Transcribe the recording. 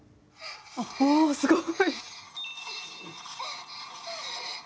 あっ、すごい。